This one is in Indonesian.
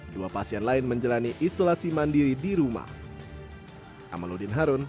dua pasien lain menjalani isolasi mandiri di rumah